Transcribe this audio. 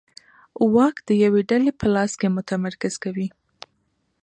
واک د یوې ډلې په لاس کې متمرکز کوي